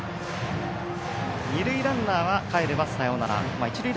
二塁ランナーはかえばサヨナラ。